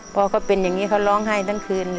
พอเขาเป็นอย่างนี้เขาร้องไห้ทั้งคืน